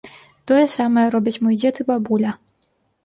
Тое самае робяць мой дзед і бабуля.